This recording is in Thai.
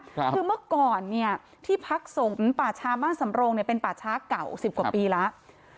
คือเมื่อก่อนที่พรรคส่งป่าชามาสำโรงเป็นป่าชาเก่า๑๐กว่าปีแล้ว